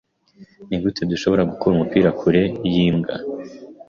Nigute dushobora gukura umupira kure yimbwa?